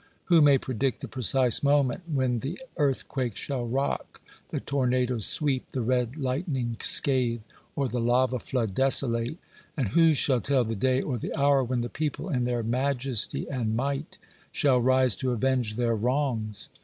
Who may predict the precise moment when the earthquake shall rock, the tornado sweep, the red lightning scathe, or the lava flood desolate? And who shall tell the day or the hour when the people, in their majesty and might, shall rise to avenge their wrongs?